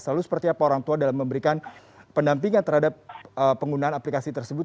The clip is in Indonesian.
lalu seperti apa orang tua dalam memberikan pendampingan terhadap penggunaan aplikasi tersebut